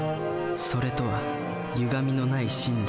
「それ」とはゆがみのない真理。